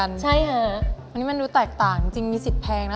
อันนี้มันดูแตกต่างจริงมีศิษย์แพงนะ